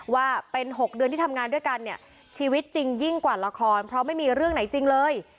ว่าเป็น๖เดือนที่ทำงานด้วยกันเนี่ยชีวิตจริงยิ่งกว่าละครเพราะไม่มีเรื่องไหนจริงเลย